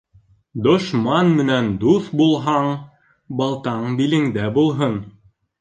Дошман менән дуҫ булһаң, балтаң билеңдә булһын.